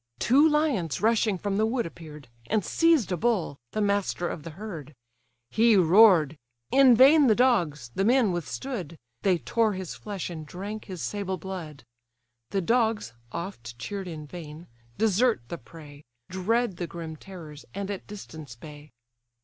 Two lions rushing from the wood appear'd; And seized a bull, the master of the herd: He roar'd: in vain the dogs, the men withstood; They tore his flesh, and drank his sable blood. The dogs (oft cheer'd in vain) desert the prey, Dread the grim terrors, and at distance bay.